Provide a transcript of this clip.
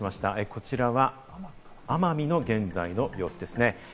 こちらは奄美の現在の様子ですね。